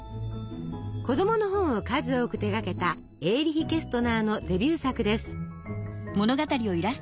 子どもの本を数多く手がけたエーリヒ・ケストナーのデビュー作です。